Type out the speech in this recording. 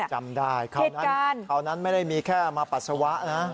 จำได้เขานั้นไม่ได้มีแค่มาปัสสาวะนะครับ